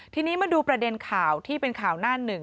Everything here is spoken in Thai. ทีนี้มาดูประเด็นข่าวที่เป็นข่าวหน้าหนึ่ง